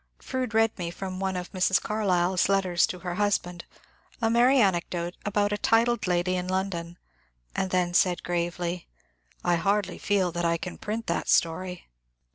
Fronde read me from one of Mrs. Carlyle's letters to her husband a merry anecdote about a titled lady in London, and then said gravely, ^^ I hardly feel that I can print that stoiy."